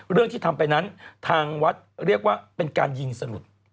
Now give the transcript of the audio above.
เรื่องที่ทำไปนั้นทางวัดเรียกว่าเป็นการยิงสลุด